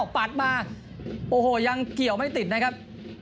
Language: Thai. ปัดมาโอ้โหยังเกี่ยวไม่ติดนะครับ